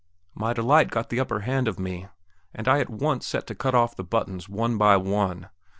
My delight got the upper hand of me, and I at once set to cut off the buttons one by one.